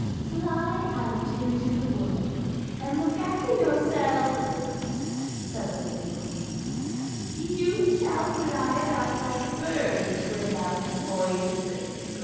" Fly out into the world and look after yourselves," said the wicked queen; "you shall fly about like birds without voices."